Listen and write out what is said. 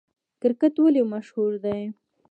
کرکټ ولې مشهور دی؟